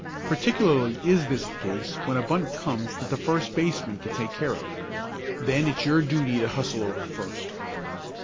Particularly is this the case when a bunt comes that the first baseman can take care of. Then it's your duty to hustle over to first."